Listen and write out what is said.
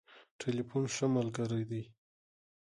ټليفون ښه ملګری دی.